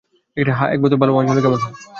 হ্যাঁ, এক বোতল ভালো ওয়াইন হলে কেমন হয়?